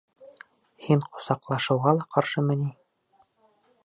Һин ҡосаҡлашыуға ла ҡаршымы ни?